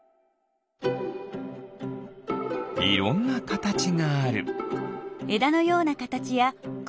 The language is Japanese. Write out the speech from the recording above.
いろんなかたちがある。